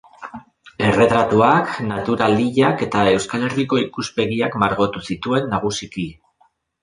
Erretratuak, natural hilak eta Euskal Herriko ikuspegiak margotu zituen nagusiki.